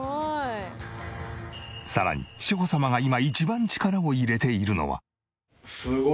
さらに志保様が今一番力を入れているのは。